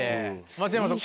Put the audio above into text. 松山さん